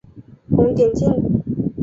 红点镜。